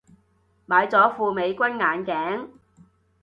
買咗副美軍眼鏡